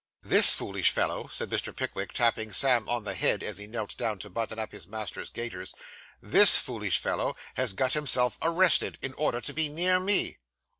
'This foolish fellow,' said Mr. Pickwick, tapping Sam on the head as he knelt down to button up his master's gaiters 'this foolish fellow has got himself arrested, in order to be near me.